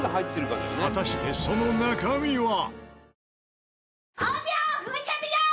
果たしてその中身は？